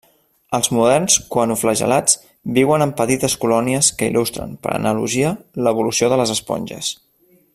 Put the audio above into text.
Els moderns coanoflagel·lats viuen en petites colònies que il·lustren, per analogia, l'evolució de les esponges.